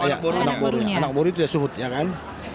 anak burunya itu ya suhut ya kan